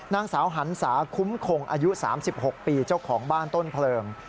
นางสาวหันศาคุ้มคงอายุ๓๖ปีเจ้าของบ้านต้นเพลิง